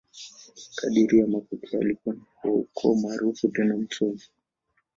Kadiri ya mapokeo, alikuwa wa ukoo maarufu tena msomi.